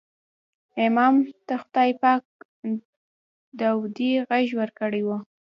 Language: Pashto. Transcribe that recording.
امام ته خدای پاک داودي غږ ورکړی و.